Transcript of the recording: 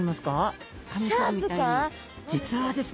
実はですね